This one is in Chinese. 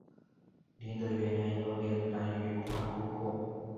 麟德元年遥领单于大都护。